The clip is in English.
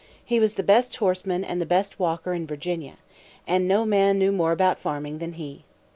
He was the best horseman and the best walker in Virginia. And no man knew more about farming than he.